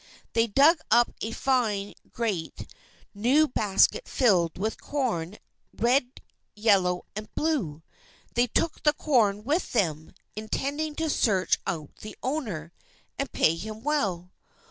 They dug up a fine, great, new basket filled with corn, red, yellow, and blue. They took the corn with them, intending to search out the owner, and pay him well.